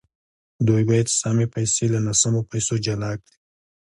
دوی باید سمې پیسې له ناسمو پیسو جلا کړي